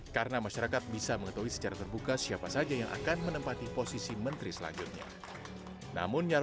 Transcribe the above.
karena masyarakat bisa mengetahui secara terbuka siapa saja yang akan menempati posisi menteri selanjutnya